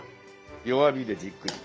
弱火でじっくり。